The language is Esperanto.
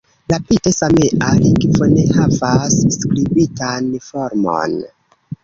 La pite-samea lingvo ne havas skribitan formon.